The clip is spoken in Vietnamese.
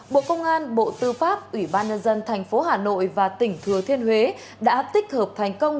bộ công an bộ tư pháp ủy ban nhân dân thành phố hà nội và tỉnh thừa thiên huế đã tích hợp thành công